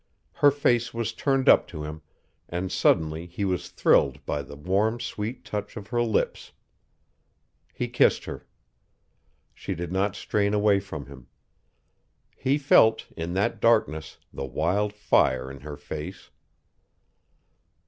Her face was turned up to him, and suddenly he was thrilled by the warm sweet touch of her lips. He kissed her. She did not strain away from him. He felt in that darkness the wild fire in her face.